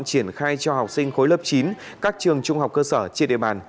triển khai cho học sinh khối lớp chín các trường trung học cơ sở trên địa bàn